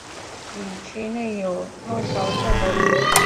以区内有高桥镇得名。